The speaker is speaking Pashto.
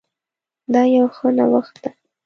دا يو ښه نوښت ده